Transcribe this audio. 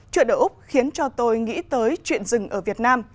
chuyện ở úc khiến cho tôi nghĩ tới chuyện rừng ở việt nam